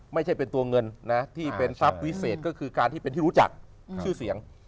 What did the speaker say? ไม่ใช่เป็นตัวเงินนะที่เป็นทรัพย์วิเศษก็คือการที่เป็นที่รู้จักชื่อเสียง